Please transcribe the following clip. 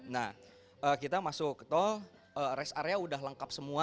nah kita masuk ke tol rest area udah lengkap semua